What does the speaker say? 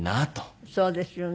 そうですよね。